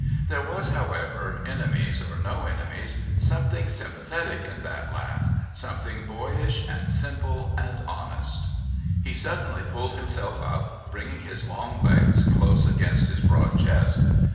There was, however, enemies or no enemies, something sympathetic in that laugh, something boyish and simple and honest. He suddenly pulled himself up, bringing his long legs close against his broad chest.